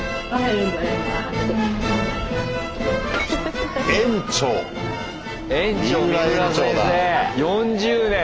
４０年。